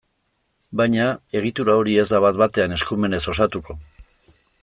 Baina, egitura hori ez da bat-batean eskumenez osatuko.